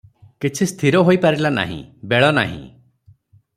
କିଛି ସ୍ଥିର ହୋଇପାରିଲା ନାହିଁ, ବେଳ ନାହିଁ ।